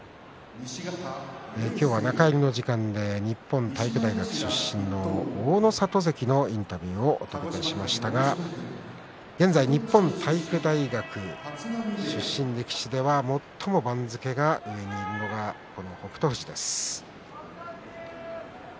今日は中入りの時間で日本体育大学出身の大の里関のインタビューをお届けしましたが現在、日本体育大学出身力士では最も番付の上にいるのはこの北勝富士です。